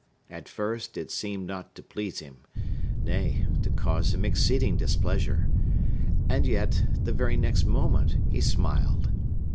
At first it seemed not to please him,—nay, to cause him exceeding displeasure,—and yet, the very next moment, he smiled.